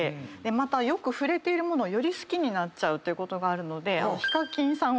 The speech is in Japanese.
またよく触れているものをより好きになっちゃうことがあるので。